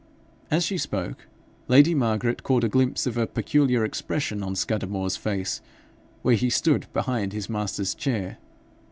As she spoke, lady Margaret caught a glimpse of a peculiar expression on Scudamore's face, where he stood behind his master's chair.